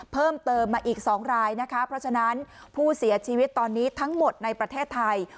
เพิ่มเติมมาอีก๒รายนะคะเพราะฉะนั้นผู้เสียชีวิตตอนนี้ทั้งหมดในประเทศไทย